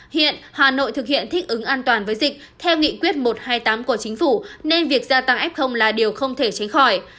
hiện hà nội thực hiện thích ứng an toàn với dịch theo nghị quyết một trăm hai mươi tám của chính phủ nên việc gia tăng f là điều không thể tránh khỏi